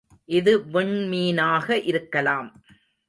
இது விண்மீனாக இருக்கலாம்.